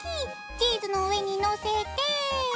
チーズの上にのせて。